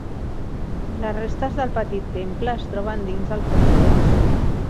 Les restes del petit temple es troben dins del complex.